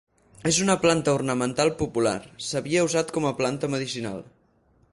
És una planta ornamental popular, s'havia usat com planta medicinal.